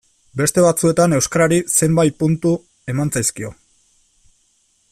Beste batzuetan euskarari zenbait puntu eman zaizkio.